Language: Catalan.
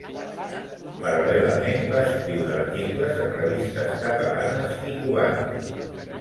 Paral·lelament va escriure articles en revistes catalanes i cubanes.